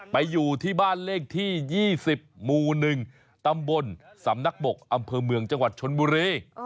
อยู่ที่บ้านเลขที่๒๐หมู่๑ตำบลสำนักบกอำเภอเมืองจังหวัดชนบุรี